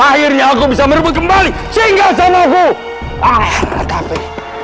akhirnya aku bisa merebut kembali singgah sama aku